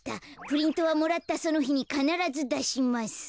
プリントはもらったそのひにかならずだします。